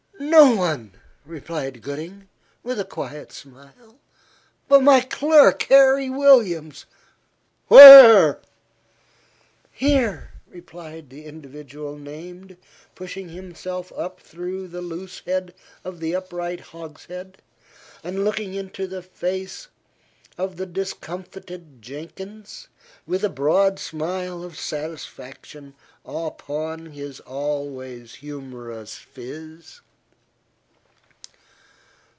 "No one," replied Gooding, with a quiet smile, "but my clerk, Harry Williams." "Where?" "Here," replied the individual named, pushing himself up through the loose head of the upright hogshead, and looking into the face of the discomfited Jenkins, with a broad smile of satisfaction upon his always humorous phiz.